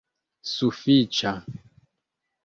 sufiĉa